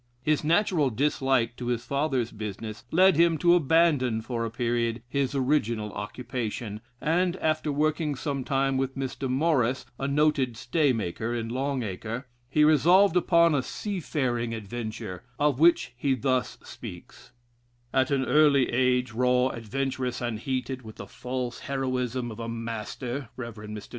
His natural dislike to his father's business led him to abandon for a period his original occupation, and, after working some time with Mr. Morris, a noted stay maker, in Long Acre, he resolved upon a seafaring adventure, of which he thus speaks: "At an early age, raw, adventurous, and heated with the false Heroism of a master [Rev. Mr.